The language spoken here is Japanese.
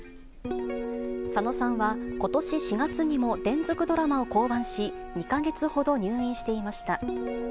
佐野さんは、ことし４月にも連続ドラマを降板し、２か月ほど入院していました。